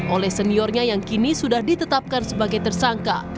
oleh seniornya yang kini sudah ditetapkan sebagai tersangka